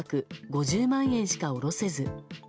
５０万円しか下ろせず。